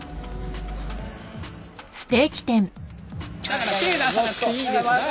だから手出さなくていいです。